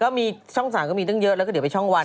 มีช่อง๓ก็มีตั้งเยอะแล้วก็เดี๋ยวไปช่องวัน